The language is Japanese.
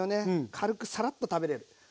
軽くさらっと食べれる。